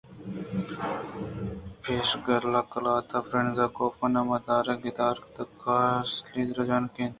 "پیشگال قلات فرانز کافکا ءِ نام داریں گِدار"" The Castle ""ءِ رجانک اِنت"